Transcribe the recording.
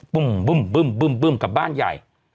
ปุ่มปุ่มปุ่มปุ่มปุ่มกลับบ้านใหญ่